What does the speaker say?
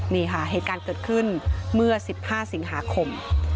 นี่ค่ะเหตุการณ์เกิดขึ้นเมื่อ๑๕สิงหาคม